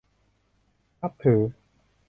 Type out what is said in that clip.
นับถือ